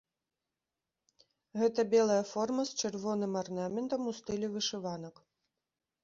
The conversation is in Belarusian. Гэта белая форма з чырвоным арнаментам у стылі вышыванак.